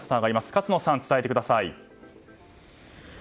勝野さん、伝えてください。